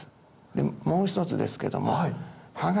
でもう一つですけども。